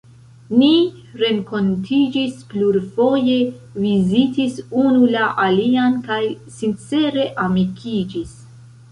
Ni renkontiĝis plurfoje, vizitis unu la alian kaj sincere amikiĝis.